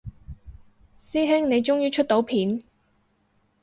師兄你終於出到片